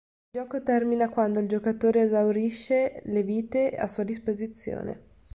Il gioco termina quando il giocatore esaurisce le vite a sua disposizione.